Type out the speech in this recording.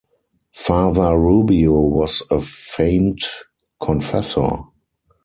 Father Rubio was a famed confessor.